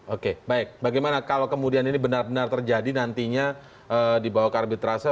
oke baik bagaimana kalau kemudian ini benar benar terjadi nantinya di bawah arbitrase